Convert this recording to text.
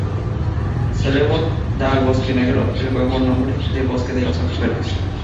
Celeborn da al Bosque Negro el nuevo nombre de "Bosque de las Hojas Verdes".